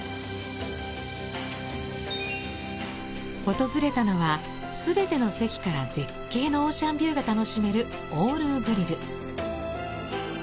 訪れたのは全ての席から絶景のオーシャンビューが楽しめるオールーグリル。